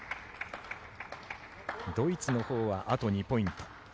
ドイツのほうはあと２ポイント